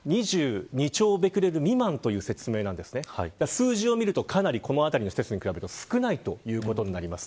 数字を見るとかなりこのあたりの施設に比べて少ないということになります。